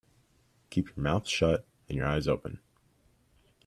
Keep your mouth shut and your eyes open.